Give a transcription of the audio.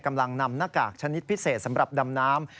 นำหน้ากากชนิดพิเศษสำหรับดำน้ำ